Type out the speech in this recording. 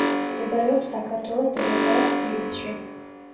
მდებარეობს საქართველოს დედაქალაქ თბილისში.